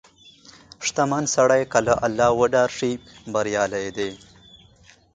• شتمن سړی که له الله وډار شي، بریالی دی.